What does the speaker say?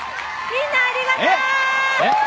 みんなありがとう！えっ！？